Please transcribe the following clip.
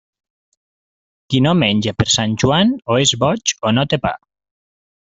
Qui no menja per Sant Joan, o és boig o no té pa.